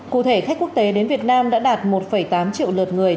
cụ thể khách quốc tế đến việt nam đã đạt một tám triệu lượt người